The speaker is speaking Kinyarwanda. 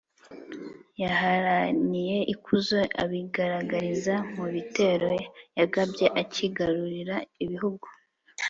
yaharaniye ikuzo abigaragariza mu bitero yagabye akigarurira ibihugu